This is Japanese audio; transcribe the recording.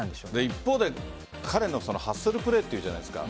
一方で彼のハッスルプレーというじゃないですか。